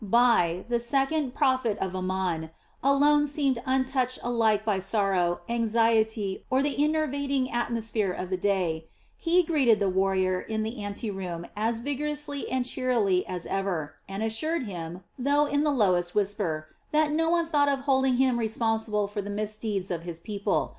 Bai, the second prophet of Amon, alone seemed untouched alike by sorrow, anxiety, or the enervating atmosphere of the day; he greeted the warrior in the ante room as vigorously and cheerily as ever, and assured him though in the lowest whisper that no one thought of holding him responsible for the misdeeds of his people.